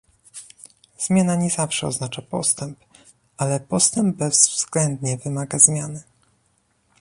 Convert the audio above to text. Zmiana nie zawsze oznacza postęp, ale postęp bezwzględnie wymaga zmiany